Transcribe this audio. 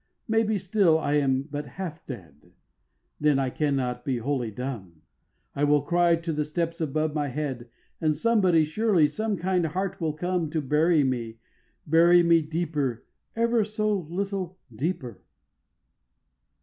Maybe still I am but half dead; Then I cannot be wholly dumb; I will cry to the steps above my head, And somebody, surely, some kind heart will come To bury me, bury me Deeper, ever so little deeper.